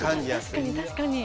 確かに確かに。